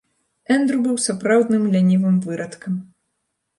Эндру быў сапраўдным лянівым вырадкам.